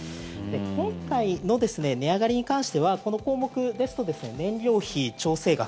今回の値上がりに関してはこの項目ですと燃料費調整額